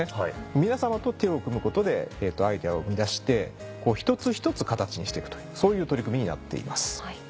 皆さまと手を組むことでアイデアを生み出して一つ一つ形にしていくというそういう取り組みになっています。